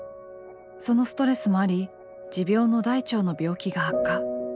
そのストレスもあり持病の大腸の病気が悪化。